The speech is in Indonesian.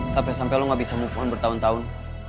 sampai sampai lo gak bisa move on bertahun tahun